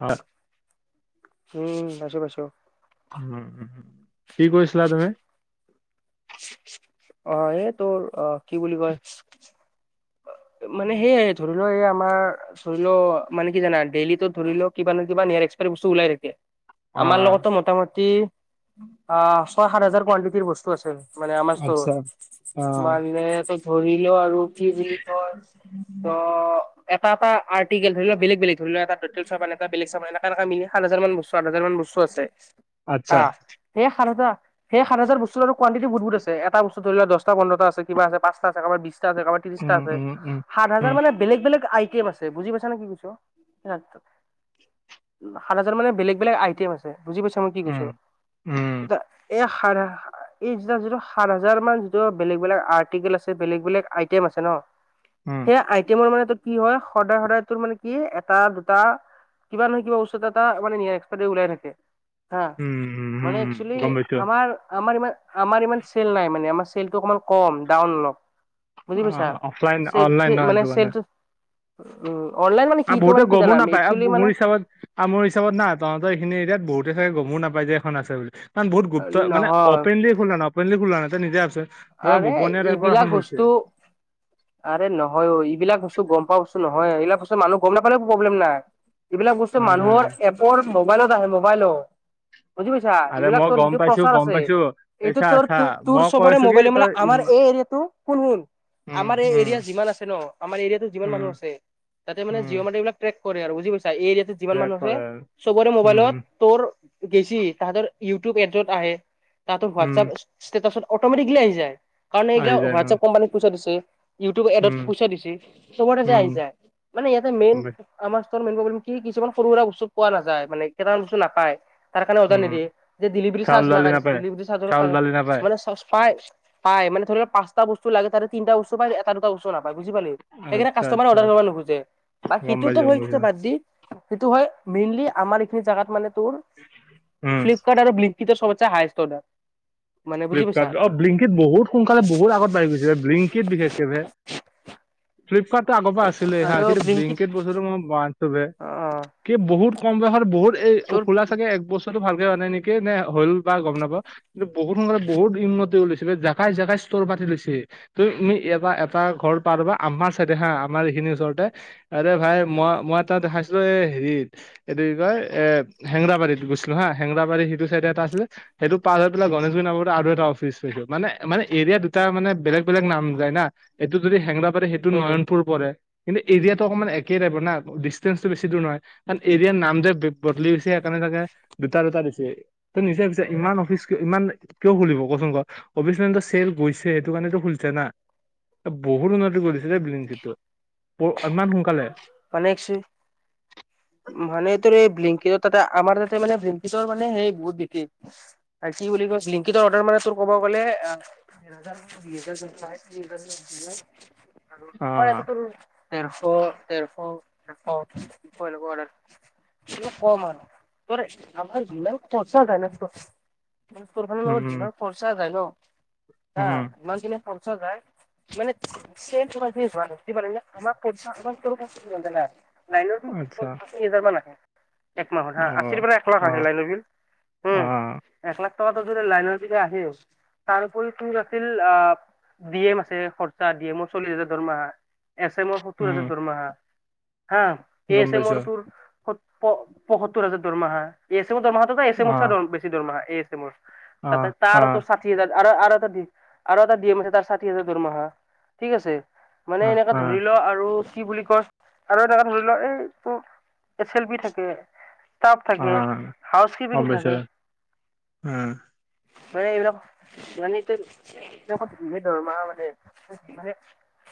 হয় উম পাইছো পাইছো। উ কি কৈছিলা তুমি? অ এই তোৰ অ কি বুলি কয়? মানে সেয়াই ধৰ লও এই আমাৰ ধৰি লও, মানে কি জানা ডেইলিতো ধৰি লও কিবা কিবা নিয়াৰ এক্সপ বস্তু ওলাই থাকে। অ আমাৰ লগতো মোটামুটি অ ছয় সাত হাজাৰ কোৱানটিটিৰ বস্তু আছে মানে আমাৰ আচ্ছা অ ষ্টোৰত। ম ধৰিলো আৰু কি বুলি কয় ত এটা এটা আৰ্টিকেল, ধৰি লও বেলেগ বেলেগ ধৰি লও এটা ডেটাল চাবান, এটা বেগ চাবান, এনেকা এনেকা মিলিত হাজাৰ মান বস্তু চাত হাজাৰ মান বস্তু আছে। হা আচ্ছা। সেই সাত হাজাৰ, সেই সাত হাজাৰ বস্তু আৰু কুৱাণ্টি বহুত বহুত আছ এটা বস্তু ধৰিল দহটা পোন্ধৰটা আছে, কিবা আছে পাচটা আছে, কাৰোবাৰ বিশছটা আছে, কাৰোবাৰ উম ত্ৰিশছটা আছে, উম উম সাত উম হাজাৰ মানে বেলেগ বেলেগ আইটেম আছে। বুজি পাইছানে কি কৈছো? সাত হাজাৰ মানে বেলেগ বেলেগ আইটেম আছে। বুজি পাইছা মই কি কৈছো? উম উম এই সা এই যিতা-যিটো সাত হাজাৰ মান যিটো বেলেগ-বেলেগ আৰ্টিকেল আছে, বেলেগ বেলেগ আইটেম আছে ন উম। সেই আইটেমৰ মানে তটো কি হয়। সদায় সদায় তোৰ মানে কি এটা দুটা কিবা নহয় কিবা বস্তু এটা মানে নেয়াৰ এক্সপাইৰ দেট ওলাই থাকে। হা। উম উম মানে উম, একচুৱেলী গম পাইছো আমাৰ-আমাৰ ইমান, আমাৰ ইমান চেল নাই মানে, আমাৰ চেলটো অকণমান কম, ডাউন অলপ। অ বুজি পাইছা? অফলাইন চে-চে অনলাইন নহয় মানে সেইটো কাৰণে চেলটো উ অনলাইন মানে কি তটো মানে কি জানা একচুৱেলি মানে কামোৰ হিচাপত না তহতৰ এইখিনি এৰিয়াত বহুতে চাগে গমো নাপাই যায় এখন আছে বুলি কাৰণ বহুত গুপ্ত মান নহয় অপনলি খো না অপেনলি খোলা নিজে ভাবচোন পুৰা আৰে গোপনীয়া টাইপৰ এখন এইবিলাক বস্তু আৰে নহয় অ এইবিলাক বস্তু গম পা বস্তু নয়, এইবাক বস্তু মানুহ গম নাপালে একো প্ৰব্লেম নাই। এইবিলাক বস্তু খুলিছে মানুহৰ এপৰ মোবাইলত আহে মোবাইলত। বুজি পাইছা? আৰে এইবিলাক মই তোৰ গম যিটো পাইছো প্ৰচাৰ গম আছে। পাইছো এই এইটো চা তোৰ চা তোৰ মই চব কৈ আছো কি মবাইলে তই ইম আমাৰ এই এৰিয়াটো শুন শুন উম আমাৰ এই উম এৰিয়াাত যিমান আছে ন, আমাৰ এৰিয়াতো যিমান উম মানুহ আছে, তাতে মানে জ উম মাৰি কৰে আৰু বুজি পাইছা? এয়া যিমান ৰেপ মানুহ আছে কৰে চবৰে উম মোবাইলত উম তোৰ গেছি তাহাঁতৰ ইউটিউব এডত আহে, তাহাঁতৰ উম হোৱাটছআপ ষ্টেটাচত অটমেটিক আহি যায়। কাৰণ এইগিলা আহি যায় উম হোৱাটছএপ কোম্পানী পইচা দিছে, ইউটিউব এডত উম পোচাই দিছে, চবৰ ততে উম আহি যায় মানে ইয়াতে গম মেইন পাইছো। আমাৰ ষ্টোৰৰ মেইন প্ৰব্লেম কি কিছুমান সৰু-সুৰা পোৱা নাযায় মানে কেইটামান বস্ত নাপাই, তাৰ কাৰণ অৰ্ডাৰ উম নিদিয়ে, যে ডেলিভাৰী চাউল চাৰ্জ দালি লগাই দিছে নাপায় ডেলিভাৰী চাৰ্জৰ চাউল কাৰে দালি নাপায় মানে চচ পায়, পায় মানে ধৰি লও পাঁচটা বস্তু লাগে তাৰে তিটা বস্তু পায় এটা দুটা বস্তু নাপায় বুজি পালি। সেইকাৰে আচ্ছা কাষ্টমাৰে আচ্ছা অৰ্ডাৰ আচ্ছা, কৰিবা নুখুজে। বা গম সিটোতো পাইছো গম হৈছে পাইছো বাদ দি। সেইটো হয় মেইনলি আমাৰ এইখিনি জাগাত মানে তোৰ, উম ফ্লিপকাৰ্ট আৰু চবতে হায়ষ্ট অৰ্ডাৰ, মানে বুজি পাইছা। ব বি লিংকি বহুত সোনকালে বহুতগত বাঢ়ি গৈছে বি লিংকিতত বিশেষকে। ফ্লিপকাৰ্টটো আগৰ পৰা আছিলে হা আৰু কিন্তু ব্লিংকিট বলেংকেট বস্তুটো মই অ কি বহুত কম বয়সত বহুত এই তোৰ খোলা চাগে এক বছৰ টো ভালকে হয় নাই নেকি নে হ'ল বা গম নাপা কিন্তু বহুত সোনালে বহুত উন্নতিওলাইছিলে জোকাই জোকাই ষ্টৰ পাতি লৈছে। তুমি এটা এটা ঘৰ পবা আমাৰ চাইডে হা আমাৰ এইখিনিৰ ওচৰতে। আৰে ভাই মই মই তাত দেখাইছিলো এই হেৰিত এইটো কি কয় এ হেংগৰাবাৰীত গৈছিলো হা হেংৰাবাৰী সিটো চাইডে এটা আছিলে। সেইটো পাৰ হৈ পেলাই গণেশ আৰু এটা অফিচছ মানে মানে এৰিয়া দুটা মানে বেলেগ বেলেগ নাম যায় না এইটো যদি হেংৰা পাতে সেইটো উম নয়নপুৰ পৰে কিন্তু এৰিয়াতটো অকণমান একে টাইপ না ডিষ্টেঞ্চটো বছি দূৰ নহয়। কাৰণ এৰিয়াৰ নাম যে বদলি গৈছে সেইকাৰণে চাগে দুটা দুটা দিছে। ত নিজে পিছে ইমান অফিচ ইমান কিয় খুলিব কচোন ক অবিচন্দ চেল গৈছে সেইটো কাৰণেতো খুলিছে না। বহুত উন্নতি কৰিছিলে বিলত ইমান সোনকালে। পানক মানে এই তোৰ এই ভিংকিজৰ তাতে আমাৰ তাতে মানে ভিকিজৰ মানে সেই বহুত বিশেষ। আৰু কি বুলি কৈ লিংকিতৰ অৰ্ডাৰ মানে তোৰ কব গ'লে। অ আমাৰ এটা দেৰপ দেশখনৰ, চখ কেনেকুৱা আৰু, কম আৰু। আমাৰ যিমান খৰচা যায় নমাৰ উম যিমান খৰচা যায় ন। চাহ উম ইমান খিনি। য মানে ত পাৰ আমাৰ পচা আ। লাই তিনি আচ্ছা হাজাৰ মান আহে। এক মাহত হা অ আশীৰ পৰা এক লাখ অ আহে লাইনৰ বিল। অ উম, এক লাখ টকাটো যদি লাইনৰ যে আহেও তাৰপৰি তোৰ আছিল আহ। ডি এম আছে খৰচা ডি এমৰ চল্লিশ হাজাৰ দৰমাহা এছ এমৰ সত্তৰ হাজাৰ। উম মা হা গম এইছে পাইছো মোৰ তোৰ পসত্তৰ দৰমাহা। এছ এমৰ দৰমাহাটো এছ অ এমৰ বছি দৰমাহা এছ এমৰ অ ত অ আৰু আৰু এটা আৰু এটা ডি এম তাৰ ষাঠি হাজাৰ দৰমাহা ঠিক আছে। মানে অ এনেকাে অ অ ধৰি ল আৰু কি বুলি কছ আৰু এনেকাে ধৰি ল এইটো এছ এল বি থাকে ষ্টফ থাকে হাউচ গম কিপিং পাইছো থাকে। উম। মান এইবিলাক মানে ধৰমা মানে। মানে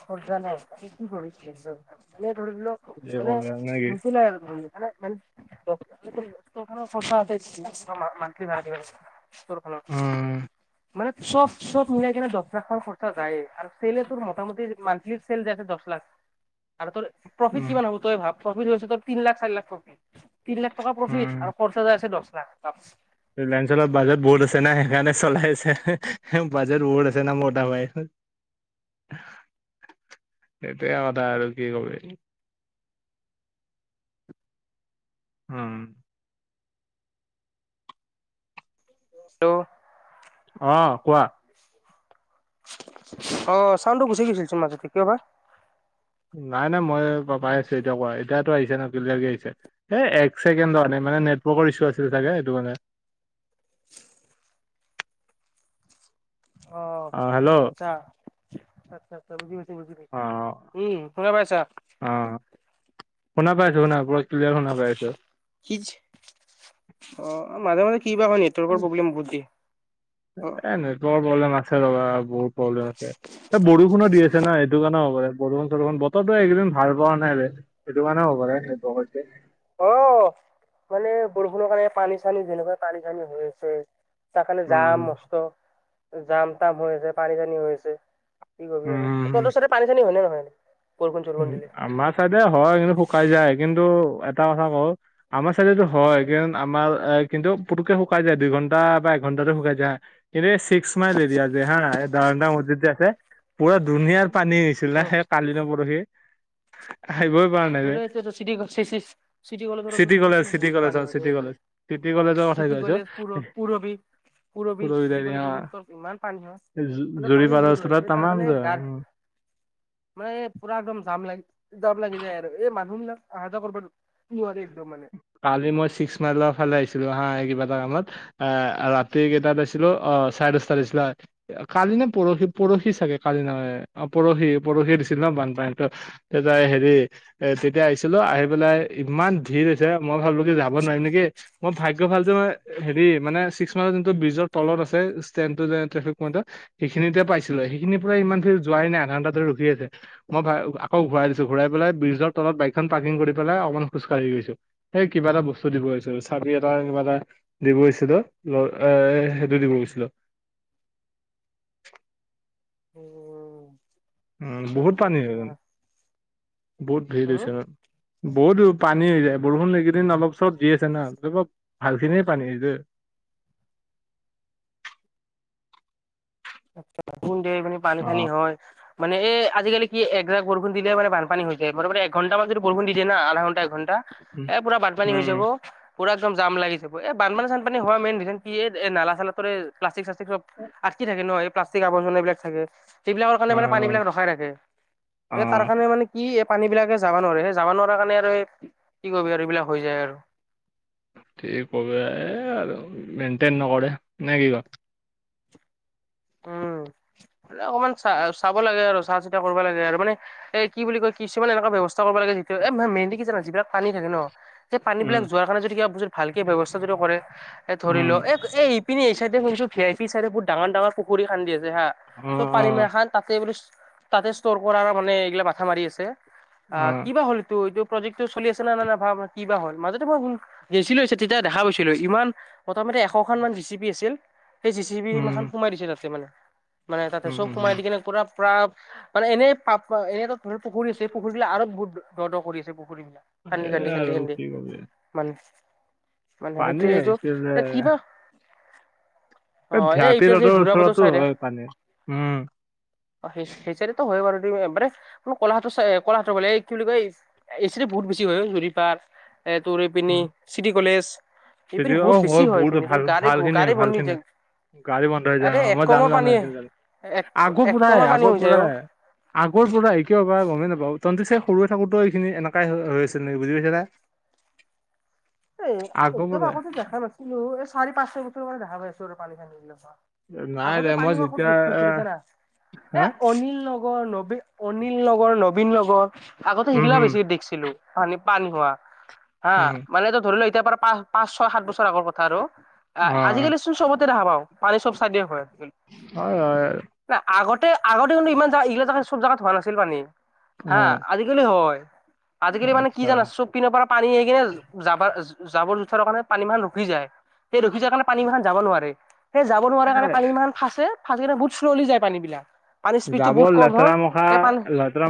সজা নাই কৰিছিল মানে ধৰি লক কি এনে কৰিবি আৰু নেকি বুছিলাই। [unintelligible] উম [unintelligible] মানে চব চব মিলাই কিনে দহ লাখ মান খৰচা যায় আৰু চছেলে তোৰ মোটামুটি মান্থলি চছেেল য আছে দহ লাখ। আৰু তোৰ প্ৰফিট উম কিমান হ'ব তই ভাব প্ৰফিট তোৰ তিনি লাখ চাৰি লাখ প্ৰফিট। তিন লাখ টকাৰ প্ৰফিট উম আৰু খৰচা যে আছে দহ লাখ তাৰ। অলঞ্চলত বাজেট বহুত আছে না, সেইকাৰণে চলাই আছে বাজেট বহুত আছে না মতা ভাই। সেইটোৱে আটা আৰু কি কবি। উম। টো। অ কোৱা অ', চাউণ্ডটো গুচি গৈছে তোমাৰ মাজতে কিয় বা। নাই-নাই, মই পাই আছো। এতিয়া কৰা এতিয়াটো আহিছে ন' তাকে আহিছে। এ' এক ছেকেণ্ডৰ নে মানে নেটৱৰ্কৰ ইছ্যু চাগে সেইটো মানে। অঁহ', অ হেল্ল' অ -আচ্ছা-আচ্ছা-আচ্ছা বুজি পাইছো। উম' শুনা পাইছা? অঁহ', শুনা পাইছো, ক্লিয়াৰ শুনা পাইছো। কি অ মাজে-মাজে কি বা এখন। এ' নেটৱৰ্কৰ প্ৰব্লেম আছে ৰবা বহুত। বৰষুণ দি আছে না সেইটো কাৰণে হ'ব। বৰষুণ-চৰষুণ বতৰটো একেইদিন ভাল পোৱা নাই যে সেইটো কাৰণে হ'ব পাৰে। অহ', মানে বৰষুণৰ কাৰণে পানী-চানী যেনেকুৱা পানী-চানী হৈ আছে। তাৰ কাৰণে জাম উম মষ্ট, জাম তাম হৈ আছে, পানী-চানী হৈ আছে। কি কবি আৰু। ত'ত উম, চাইতে পানী-চানী হয় নে নহয়? বৰষুণ চৰষুণ উম। দিলে আমাৰ চাইডে হয় কিন্তু শুকাই যায়, কিন্তু এটা কথা কওঁ- আমাৰ ছাইডে টো হয়, কিন্তু পুতুকে শুকাই যায়। দুই ঘন্টা বা এঘণ্টাটো শুকাই যায়, কিন্তু এই ছিক্স মাইল এৰিয়া যে হয় নহয়, দাৰটা মছজিদ যে আছে। পুৰা ধুনীয়াৰ পানী হৈছিলে উম সেই কালি নে পৰহি। আহিবই পৰা নাই ৰে। তোৰে চিটি চিটি কলেজৰ ওচৰত চিটি কলেজ, চিটি বহুত কলেজ পানী আৰু হৈ চিটি যায় মানে কলেজ। চিটি অ', কলেজৰ কথাই চিটি কৈছো। কলেজ পুৰ পুৰবী পুৰবী চিটি কলেজ ইমান পানী হয় মানে জুৰি পানী বহুত হয় পাৰ এই তাম তাৰ [inaudible] কাৰণে গাৰ মানে পুৰা একদম জাম লাগি, জাম লাগি যায় আৰু এই মানুহবিলাক অহা যোৱা কৰোতে। কিবা একদম মানে কালি মই ছিক্স মাইলৰ ফালে আহিছিলো হাঁ, এই কিবা এটা কামত। এ' ৰাতি কেইটাত আছিলো, অহ', চাৰে দ'হটাত আছিলো। কালি নে পৰহি, পৰহি চাগে, কালি নহয়। অহ', পৰহি-পৰহি দিছিল ন বানপানীতো। তেতিয়া তাই হেৰি এ' তেতিয়া আহিছিলো, আহি পেলাই ইমান ভিৰ হৈছে, মই ভাবো কি যাব নোৱাৰিম নেকি। মোৰ ভাগ্য ভাল যে মই হেৰি মানে ছিক্স মাইলৰ যোনটো ব্ৰিজৰ তলত আছে ষ্টেটেন টো যে পইটত- সেইখিনিতে পাইছিলো। সেইখিনিৰ পৰা ইমানখিনি যোৱাই নাই আধাঘণ্টাতে ৰখি আছে। মই আকৌ ঘূৰাই দিছো, ঘূৰাই পেলাই ব্ৰীজৰ তলত বাইকখন পাৰ্কিং কৰি পেলাই অকণ খোজ কাঢ়ি গৈছো। সেই কিবা এটা বস্তু দিব আহিছিলো চাবি এটা কিবা এটা। দিব আহিছিলো এ' সেইটো দিব গৈছিলো। উম। উমঁ, আচ্ছা বহুত আচ্ছা পানী, আচ্ছা। বহুত ভিৰ হম। দিছে। বহুত পানী হৈ যায়। বৰষুণ এইকেইদিন অলপ-চলপ দি আছে না ভালখিনিয়ে পানী হৈ যায়। এইকেইদিন মানে বানপানী অ', হয়। মানে এই আজিকালি কি এজাক বৰষুণ দিলে মানে বানপানী হৈ যায়। মানে এঘণ্টা মান যদি বৰষুণ দি দিয়ে না আধা ঘণ্টা, এঘণ্টা- উম এ' পুৰা বানপানী হৈ উম যাব। পুৰা একদম জাম লাগি যাব। এ' বানপানী-চানপানী হয় মেইন ৰিজন কি এই নালাখনৰ পৰা প্লাষ্টিক- আহি থাকে ন, এই প্লাষ্টিক আৱৰ্জনাবিলাক থাকে সেইবিলাকৰ কাৰণে অ মানে পানী বিলাক ৰখাই থাকে। অ সেই তাৰ কাৰণে মানে কি? এই পানী বিলাকে যাব নোৱাৰে সেই যাব নোৱাৰা কাৰণে আৰু এই কি কৰবি আৰু এইবিলাক হৈ যায় আৰু। কি কবি এ আৰু মেইনটেইন নকৰে নে কি ক? উম। [inaudible] অকমান চা চাব লাগে আৰু, চাহ চিতা কৰিব লাগে আৰু মানে এ কি বুলি কয় কিছুমান এনেকুৱা ব্যৱস্থা কৰিব লাগে যিটো, এ মেইন কি জান যিবিলাক পানী থাকে ন? সেই পানী উম বিলাক যোৱাৰ কাৰণে যদি কিবা ভালকে ব্যৱস্থা যদি কৰে ধৰি উম লও এ এ ইপিনে এই চাইডে শুনিছোঁ ভি আই পি চাইডে বহুত ডাঙৰ ডাঙৰ পুখুৰী খান্দি আছে হা অ চব অ পানী মা খান তাতে বোলো তাতে ষ্টৰ কৰাৰ মানে এইগিলা মাথা মাৰি আছে। অ কিবা হ'লটো এইটো প্ৰজেক্টো চলি আছে নাই না কিবা হ'ল। মাজতে মই গেছিলোঁ তেতিয়া দেখা পাইছিলো ইমান মোটামুটি এশখন মান জে চি পি আছিল। সেই জে চি পি উম মাখান সোমাই দিছে তাতে মানে, মানে তাতে উম চব উম সোমাই উম দি কেনে পুৰা পুৰা মানে এনেই পাপ এনে ধৰ পুখুৰী আছে পুখুৰীবিলাক আৰু বহুত দ' দ' কৰি আছে পুখুৰী বিলাক। খান্দি এ খান্দি আৰু খান্দি কি কবি মানে পানী সেইটোৱেটো আহিছে যে কিবা অ এই এই এতিয়া ৰড যে যোৰাবাটৰ ওচৰতো চাইডে হয় পানী। উম অ সেই চাইডেতো হয় বাৰু মানে, ক'লাহাটৰ ক'লাহাটৰ বুলে এই কি বুলি কয় এই এই চাইডে বহুত বেছি হয় হেৰি পাৰ এ তোৰ পিনে চিটি কলেজ চিটি এইপিনি বহুত দখৰ বেছি হয় বহুত এইপিনি ভাল গাড়ী ভাল খিনিয়ে গাড়ী ভাল বন্ধি খিনি। যায় গাড়ী বন্ধ হৈ আৰে যায়। অ এক মই কমৰ জানো পানী জানো সেইখিনি জানো। এক আগৰ এক কমৰ পৰাই পানী আগৰ হৈ যায় অ পৰাই। আগৰ পৰাই কিয় বা গমেই নাপাওঁ। তহঁতি চাগে সৰু থাকোতেও এইখিনি এনেকাই হৈছিলে বুজি পাইছা না? এ আগৰ একদম পৰাই আগতে দেখা নাছিলো, এই চাৰি পাঁচ ছয় বছৰ মানে দেখা পাই আছো পানী চানি বিলাক। নাই আগতে দে পানী মই হোৱা ক'ত যেতিয়া দেখিছিলো জানা? এ হা অনিল নগৰ নবীন অনিল নগৰ, নবীন নগৰ আগতে উম সেইগিলা হম বেছি দেখিছিলো পানী পানী হোৱা। হা উম মানে এইটো ধৰি ল এতিয়া পৰা পাঁচ পাঁচ ছয় সাত বছৰ আগৰ কথা আৰু। অ আজিকালি চবতে দেখা পাওঁ। পানী চব চাইডে হয়। হয় হয় নাই আগতে আগতে কিন্তু ইমান জেগা এইগিলা জেগা চব জেগাত হোৱা নাছিল পানী অ হা। আজি কেইলে হয়। আজিকালি মানে কি আচ্ছা জানা চব পিনৰ পৰা পানী আহি কিনে জাবৰ জাবৰ জোথৰ কাৰণে পানী বান ৰখি যায়। সেই ৰখি যোৱাৰ কাৰণে পানী মখান যাব নোৱাৰে। সেই যাব নোৱাৰা কাৰণে এ পানী ইমান ফাঁচে। ফাঁচি কিনে বহুত শ্লোৱলী যায় পানী বিলাক। পানীৰ স্পীডটো জাব বহুত কম লেতেৰা হয় মখা এই পানী লয়।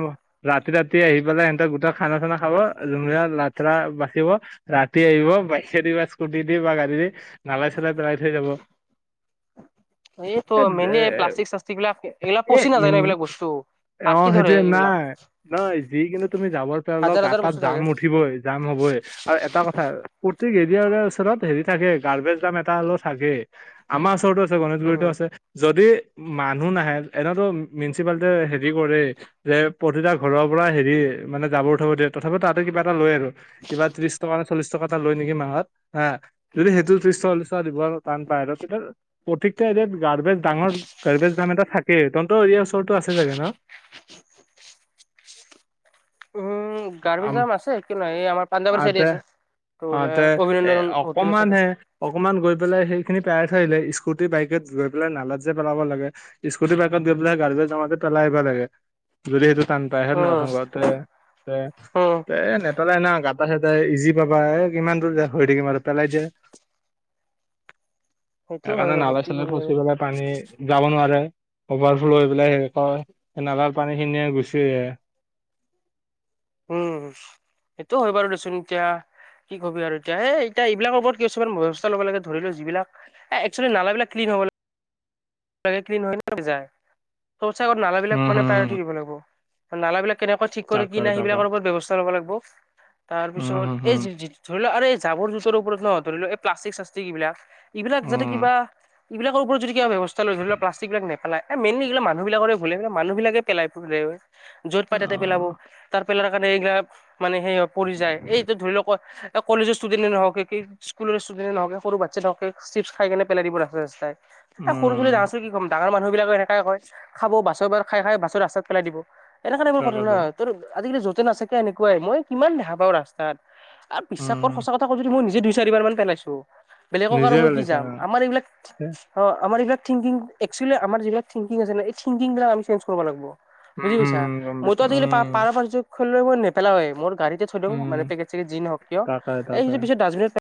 ৰাতি ৰাতি আহি পেলাই সিহঁতে গোটেই খানা চানা খাব। জুমীয়া লাথেৰা বাচিব ৰাতি আহিব বাইচ দ বা স্কাডি দি বা গাড়ী দি। নালাই চেলাই পেলাই থৈ যাব। এ এ সবিলাক এইবিলাক এ পচি নাযায় ন ইন এইবিলাক বস্তু। অ আটকি ধৰে সেইটোয়ে এইবিলাক নাই। নহয় যি কিন্তু তুমি যাব পাল হাজাৰ আ হাজাৰ তাত বস্তু জাম থাকে উঠিবই জাম হবই। আৰু এটা কথা প্ৰতি এৰিয়াৰ ওচৰত হেৰি থাকে গাৰ্বেজ দাম এটা হ'লেও থাকে। আমাৰ ওচৰতো আছে, গণেশগুৰিতো উম। আছে। যদি মানুহ নাহে এনেতো মিউনিচিপালটিয়ে হেৰি কৰে। যে প্ৰতিটা ঘৰৰ পৰা হেৰি মানে জাব উঠাব দিয়ে। তথাপিও তাতে কিবা এটা লয় আৰু। কিবা ত্ৰিশটকা নে চল্লিশ টকা এটা লয় নেকি মাহত? হা যদি সেইটো ত্ৰিশ কা চল্লিশ টকা দিব তান পায়। বাহিৰত এতিয়া প্ৰতকটা এৰিয়াত গাৰ্বেজ ডাঙৰ গাৰ্বেজ দাম এটা থাকে। কি তঁহতৰ এৰিয়াৰ ওচৰতো আছে চাগে ন উম গাৰভি আম জাম আছে কি এ এই আমাৰ পাঞ্জাবাৰী চাইডি আছে অ তোৰ তে এ অভিনন্দন হোটেলৰ অকমান চাইডে হে অকমান গৈ পেলাই সেই সেই খিনি পেলাই থৈ আহিলে স্কুটি বাইকত গৈ পেলাই নালাত যে পেলাব লাগে স্কুটি বাইকত গৈ পেলাই গাৰডী জমাত পেলাই আহিব লাগে যদি সেইটো টান পায় হয় নহয় উম প্ৰসংগতে উম তে তে পেলাই না গাতা চাই ইজি পাবা এ কিমান দূৰ যে হৈ থাকিম আৰু পেলাই দিয়া সেইটো হয় সেইকাৰণে বাৰু নালা কি চালা কবি আৰু। ফচি পেলাই পানী যাব নোৱাৰে অভাৰ ফ্ল' হৈ পেলাই সেই ক নালাৰ পানী খিনিয়ে গুচি আহে উম সেইটো হয় বাৰু দেচোন এতিয়া কি কবি আৰু এতিয়া এ এতিয়া এইবিলাক ওপৰত কিছুমান ব্যৱস্থা ল'ব লাগে ধৰিলো যিবিলাক এ এক্সচুয়েলি নালা বিলাক ক্লিন হ'ব লাগে ভালকে ক্লিন হৈ যায় সৌচা নালাবিলাক উম মানে হম হম প্ৰায়ৰিটি দিব লাগিব নালাবিলাক কেনেকৈ কি কৰে কি তাকে নাই তাকে সেইবিলাকৰ ওপৰত ব্যৱস্থা ল'ব লাগিব তাৰ উম পিছত হম এই হম ধৰি লোৱা আৰু এই জাবৰ জোথৰ ওপৰত ন ধৰি ল এই প্লাষ্টিক চাষ্টিক এইবিলাক এইবিলাক যাতে উম কিবা এইবিলাকৰ ওপৰত যদি কিবা ব্যৱস্থা ব্যৱস্থা ধৰি ল প্লাষ্টিকবিলাক নেপেলায় মেইনলি এই মানুহবিলাকৰে ভুল মানুহবিলাকে পেলাই য'ত অ পাই তাতে পেলাব তাৰ পেলাৰ কাৰণে এইগিলা মানে সেই পৰি যায় এইটো ধৰি লওক কলেজ ষ্টুডেণ্ট নহওকে স্কুল ষ্টুডেণ্ট নহওকে সৰু বাচ্ছা নহওক চিপছ খাই কেনে পেলাই দিব ৰাস্তাই ৰাস্তাই এ উম সৰু চলি ডাঙৰ চলি কি কম ডাঙৰ মানুহবিলাক এনেকা কয় খাব বাছৰ খাই খাই বাছৰ ৰাস্তাত পেলাই দিব এনেকা টাইম তাকেতো ন তোৰ আজিকালি য'তে নাচাওক কিয় এনেকুৱাই মই কিমান দেখা পাওঁ ৰাস্তাত আৰু উম, বিশ্বাসৰ সঁচা কথা কৈছো মই নিজে দুই চাৰিবাৰ মান পেলাইছো বেলেগক নিজে আৰু মই কি ওলাইছা যাম আমাৰ এইবিলাক অ আমাৰ এইবিলাক থিংকিং এক্সচুৱেলি আমাৰ যিবিলাক থিংকিং আছে এই থিংকিং বিলাক আমি চেন্স কৰিব লাগিব উম, বুজি উম, পাইছা গম মইতো পাইছো উম, আজিকালি পা পাৰ পাৰছো মই খোলিলো নেপেলাওৱে মোৰ গাড়ীতে থৈ দিও উম, মানে পেকেট চেকেট যি হওক কিয় তাকে তাকে। এইখিনি পিছত ডাচবিন